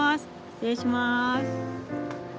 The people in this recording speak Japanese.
失礼します。